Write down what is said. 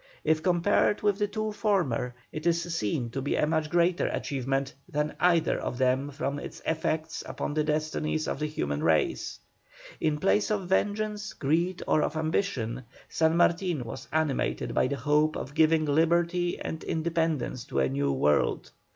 If compared with the two former, it is seen to be a much greater achievement than either of them from its effects upon the destinies of the human race. In place of vengeance, greed, or of ambition, San Martin was animated by the hope of giving liberty and independence to a new world.